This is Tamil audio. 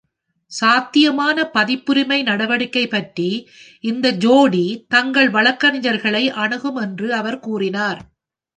"சாத்தியமான பதிப்புரிமை நடவடிக்கை பற்றி" இந்த ஜோடி தங்கள் வழக்கறிஞர்களை அணுகும் என்று அவர் கூறினார்.